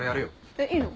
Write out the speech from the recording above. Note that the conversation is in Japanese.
えっいいの？